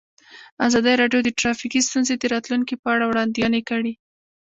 ازادي راډیو د ټرافیکي ستونزې د راتلونکې په اړه وړاندوینې کړې.